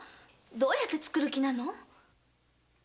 どうやって作る気なの？